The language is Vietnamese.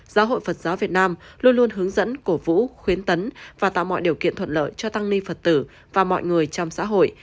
giáo hội phật giáo việt nam luôn luôn hướng dẫn cổ vũ khuyến tấn và tạo mọi điều kiện thuận lợi cho tăng ni phật tử và mọi người trong xã hội